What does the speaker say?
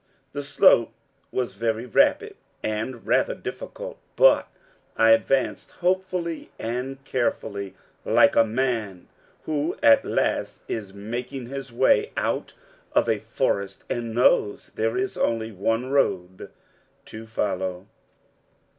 The slope was very rapid and rather difficult. But I advanced hopefully and carefully, like a man who at last is making his way out of a forest, and knows there is only one road to follow.